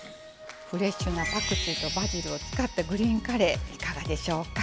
フレッシュなパクチーとバジルを使ったグリーンカレーいかがでしょうか。